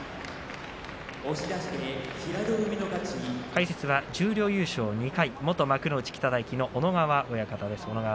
解説は十両優勝２回元幕内北太樹の小野川親方です。